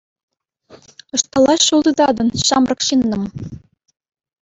Ӑҫталла ҫул тытатӑн, ҫамрӑк ҫыннӑм?